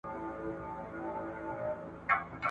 په لښکر کي یې شامل وه ټول قومونه ..